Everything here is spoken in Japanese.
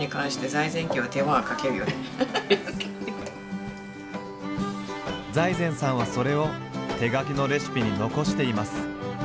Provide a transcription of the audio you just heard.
財前さんはそれを手書きのレシピに残しています。